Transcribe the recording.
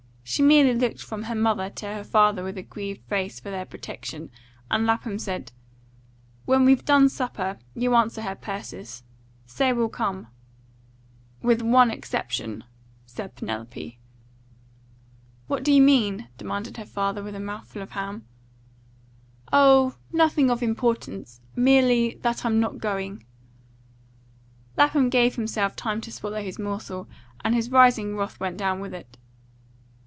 She merely looked from her mother to her father with a grieved face for their protection, and Lapham said, "When we've done supper, you answer her, Persis. Say we'll come." "With one exception," said Penelope. "What do you mean?" demanded her father, with a mouth full of ham. "Oh, nothing of importance. Merely that I'm not going." Lapham gave himself time to swallow his morsel, and his rising wrath went down with it.